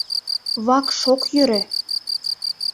— Вакш ок йӧрӧ!